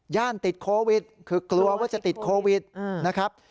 ติดโควิดคือกลัวว่าจะติดโควิดนะครับ